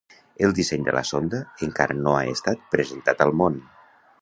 El disseny de la sonda encara no ha estat presentat al món.